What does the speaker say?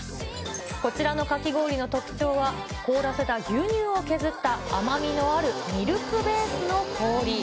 こちらのかき氷の特徴は凍らせた牛乳を削った甘みのあるミルクベースの氷。